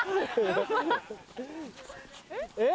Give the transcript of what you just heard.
えっ？